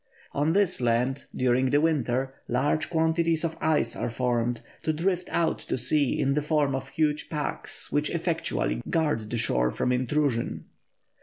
On this land, during the winter, large quantities of ice are formed, to drift out to sea in the form of huge packs which effectually guard the shore from intrusion.